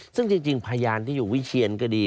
ซึ่งจริงพยานที่อยู่วิเชียนก็ดี